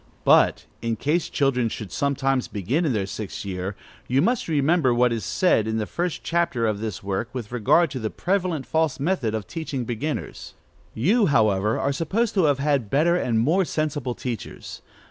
2. But, in case children should sometimes begin in their sixth year, you must remember what is said, in the first chapter of this work, with regard to the prevalent false method of teaching beginners. You, however, are supposed to have had better and more sensible teachers.